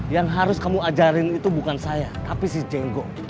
yang harus kamu ajarin itu bukan saya tapi si jenggo